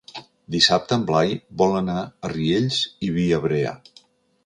Dissabte en Blai vol anar a Riells i Viabrea.